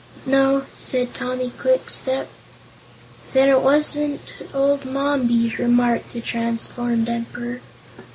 "No," said Tommy Kwikstep. "Then she wasn't Old Mombi," remarked the transformed Emperor.